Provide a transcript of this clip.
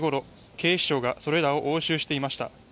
警視庁がそれらを押収していました。